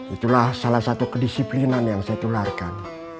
itulah salah satu kedisiplinan yang saya tularkan